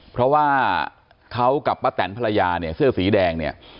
เพราะว่าเขากับป้าแตนภรรยาเนี่ยเสื้อสีแดงเนี่ย